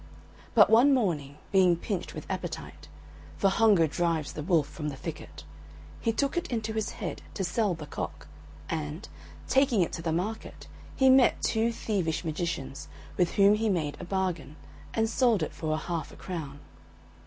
But one morning, being pinched with appetite (for hunger drives the wolf from the thicket), he took it into his head to sell the cock, and, taking it to the market, he met two thievish magicians, with whom he made a bargain, and sold it for half a crown.